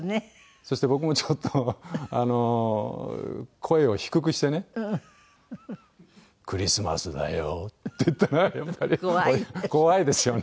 そして僕もちょっと声を低くしてね「クリスマスだよ」って言ったらやっぱり怖いですよね。